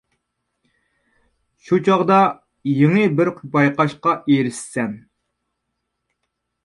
شۇ چاغدا يېڭى بىر بايقاشقا ئېرىشىسەن.